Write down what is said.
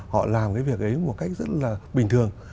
họ làm cái việc ấy một cách rất là bình thường